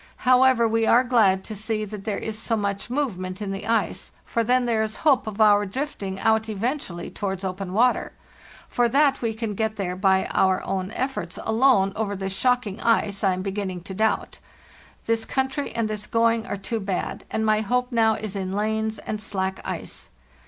However, we are glad to see that there 1s so much move ment in the ice, for then there is hope of our drifting out eventually towards open water; for that we can get there by our own efforts alone over this shocking ice I am beginning to doubt. This country and this going are too bad, and my hope now is in lanes and slack ice.